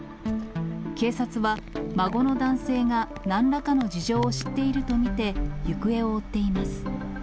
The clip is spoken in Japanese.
警察は、孫の男性がなんらかの事情を知っていると見て、行方を追っています。